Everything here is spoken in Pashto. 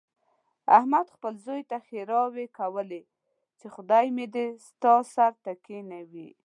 احمد خپل زوی ته ښېراوې کولې، چې خدای مې دې ستا سر ته کېنوي.